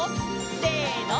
せの！